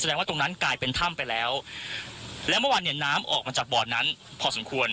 ว่าตรงนั้นกลายเป็นถ้ำไปแล้วและเมื่อวานเนี่ยน้ำออกมาจากบ่อนั้นพอสมควร